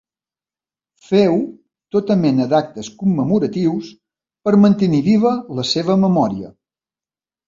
Feu tota mena d'actes commemoratius per mantenir viva la seva memòria.